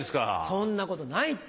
そんなことないって。